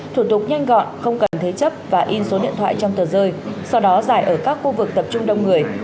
thủ tục nhanh gọn không cần thế chấp và in số điện thoại trong tờ rơi sau đó giải ở các khu vực tập trung đông người